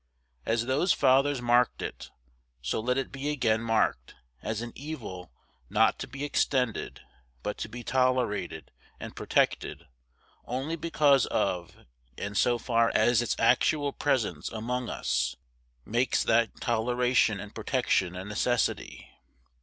As those fathers marked it, so let it be again marked, as an evil not to be extended, but to be tolerated and protected only because of and so far as its actual presence among us makes that toleration and protection a necessity.